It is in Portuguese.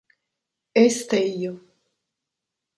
Esteio